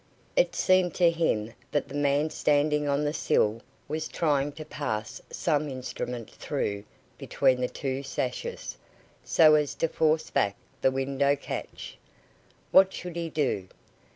It seemed to him that the man standing on the sill was trying to pass some instrument through between the two sashes, so as to force back the window catch. What should he do?